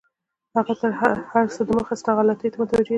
هغه تر هر څه دمخه ستا غلطیو ته متوجه دی.